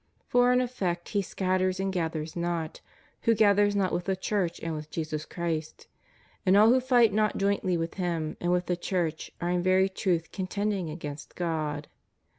For in effect he scatters and gathers not, who gathers not with the Church and with Jesus Christ, and all who fight not jointly with him and with the Church are in very truth contending against God.